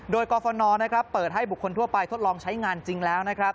โดยกรฟนเปิดให้บุคคลทั่วไปทดลองใช้งานจริงแล้วนะครับ